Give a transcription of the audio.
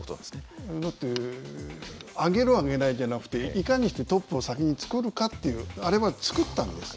だって上げる上げないじゃなくていかにしてトップを先に作るかっていうあれは作ったんです。